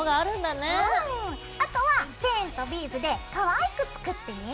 あとはチェーンとビーズでかわいく作ってね。